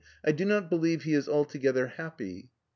" I do not believe he is altogether happy.